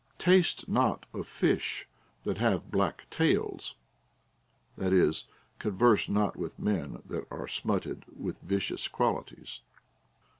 Taste not of fish that have black tails ; that is, converse not with men that are smutted \vith vicious qualities.